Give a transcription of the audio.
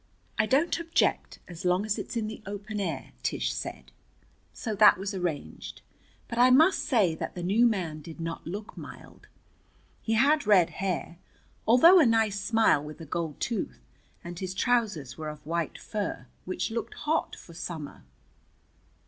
"I don't object, as long as it's in the open air," Tish said. So that was arranged. But I must say that the new man did not look mild. He had red hair, although a nice smile with a gold tooth, and his trousers were of white fur, which looked hot for summer.